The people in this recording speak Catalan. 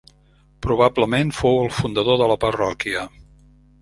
Probablement, fou el fundador de la parròquia.